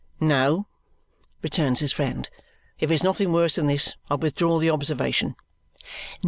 "No," returns his friend; "if it's nothing worse than this, I withdraw the observation."